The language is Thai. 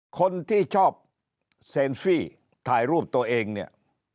คนที่ชอบเซลฟี่ถ่ายรูปตัวเองเนี่ย